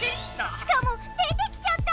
しかも出てきちゃった！